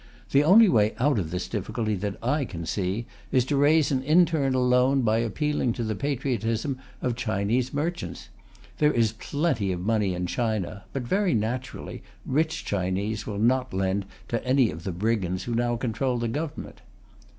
The only way out of this difficulty that I can see is to raise an internal loan by appealing to the patriotism of Chinese merchants. There is plenty of money in China, but, very naturally, rich Chinese will not lend to any of the brigands who now control the Government.